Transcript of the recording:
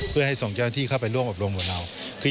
เพื่อให้ส่งเจ้าหน้าที่เข้าไปร่วมอบรมกับเรา